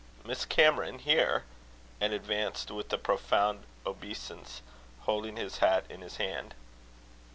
Miss Cameron here!" and advanced with a profound obeisance, holding his hat in his hand.